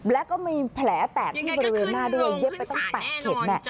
แล้วก็มีแผลแตกที่บริเวณหน้าด้วยเย็บไปตั้ง๘เข็ม